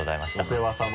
お世話さま。